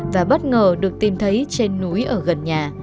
và bất ngờ được tìm thấy trên núi ở gần nhà